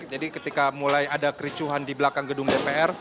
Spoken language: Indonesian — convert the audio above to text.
jadi ketika mulai ada kericuhan di belakang gedung dpr